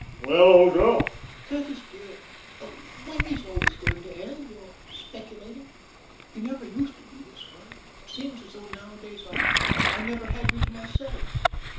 "Well, old girl?" "Curtis, dear, ... when is it all going to end your speculating? You never used to be this way. It seems as though, nowadays, I never had you to myself.